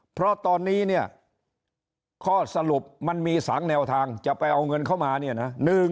เพราะตอนนี้เนี่ยข้อสรุปมันมี๓แนวทางจะไปเอาเงินเข้ามาเนี่ยนะ